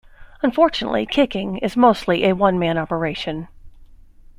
Unfortunately kicking is mostly a one-man operation.